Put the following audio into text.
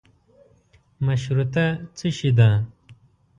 مشروطه څشي ده.